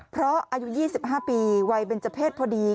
เพราะอายุ๒๕ปีวัยเบนเจอร์เพศพอดี